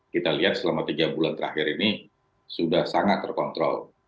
kita lihat selama tiga bulan terakhir ini sudah sangat terkontrol